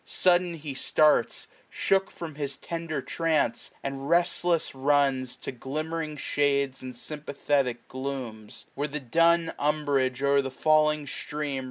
Sudden he starts. Shook from his tender trance, and restless runs To glimmering shades, and sympathetic glooms ; Where the dun umbrage o'er the falling stream.